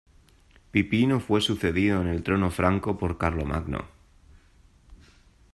Pipino fue sucedido en el trono franco por Carlomagno.